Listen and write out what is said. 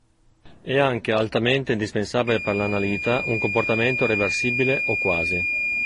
È anche altamente indispensabile per l'analita un comportamento reversibile o quasi.